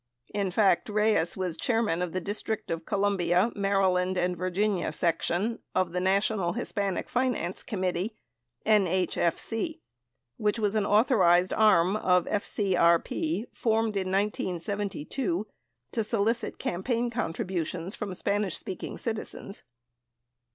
In fact, Reyes was chairman of the District of Columbia, Maryland and Virginia section of the National Hispanic Finance Committee (NHFC), which was an authorized arm of FCRP formed in 1972 to solicit campaign con tributions from Spanish speaking citizens.